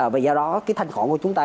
và do đó cái thanh khổ của chúng ta